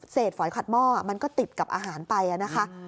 ฝอยขัดหม้อมันก็ติดกับอาหารไปนะคะ